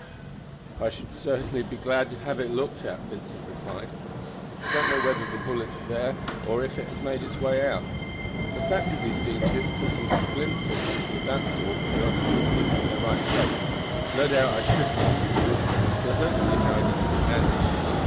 "I should certainly be glad to have it looked to," Vincent replied. "I don't know whether the bullet's there or if it has made its way out, and if that could be seen to, and some splints or something of that sort put on to keep things in their right place, no doubt I should be easier; but I don't see how it is to be managed.